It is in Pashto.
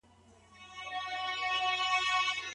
ځيني شرطونه په الفاظو پوري اړه لري.